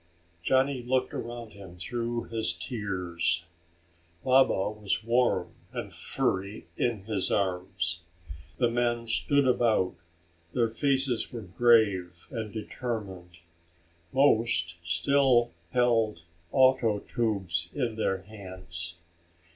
Johnny looked around him through his tears. Baba was warm and furry in his arms. The men stood about; their faces were grave and determined. Most still held ato tubes in their hands.